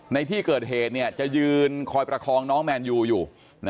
ในที่เกิดเหตุจะยืนคอยประคองน้องแมนยูอยู่